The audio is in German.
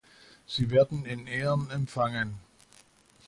Sie werden in Ehren empfangen.